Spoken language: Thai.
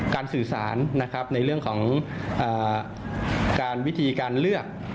สื่อสารนะครับในเรื่องของการวิธีการเลือก